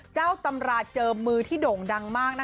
เจ้าตำราเจอมือที่โด่งดังมากนะ